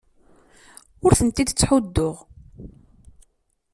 Ur tent-id-ttḥudduɣ.